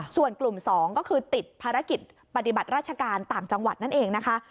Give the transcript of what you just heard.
ส่วนกลุ่ม๒ก็คือติดภารกิจปฏิบัติราชการต่างจังหวัดนั่นเองนะคะ